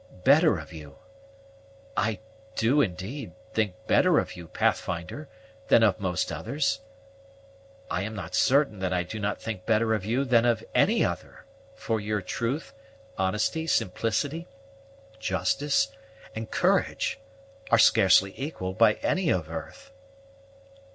"Better of you! I do, indeed, think better of you, Pathfinder, than of most others: I am not certain that I do not think better of you than of any other; for your truth, honesty, simplicity, justice, and courage are scarcely equalled by any of earth."